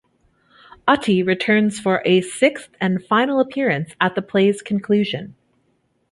Ate returns for a sixth and final appearance at the play's conclusion.